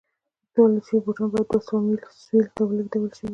تولید شوي بوټان باید دوه سوه مایل سویل ته لېږدول شوي وای.